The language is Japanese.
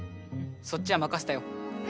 そっちはまかせたよ。